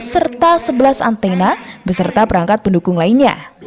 serta sebelas antena beserta perangkat pendukung lainnya